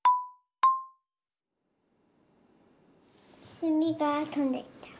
せみがとんでった。